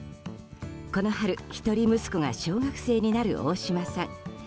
この春、一人息子が小学生になる大島さん。